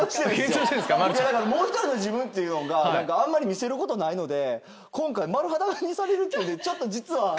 いやだからもうひとりの自分っていうのがあんまり見せることないので今回丸裸にされるっていうんでちょっと実は。